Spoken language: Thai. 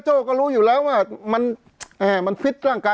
จริงผมไม่อยากสวนนะฮะเพราะถ้าผมสวนเนี่ยมันจะไม่ใช่เรื่องของการทำร้ายร่างกาย